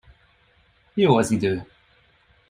Jó az idő.